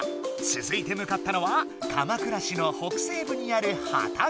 つづいてむかったのは鎌倉市の北西部にある畑。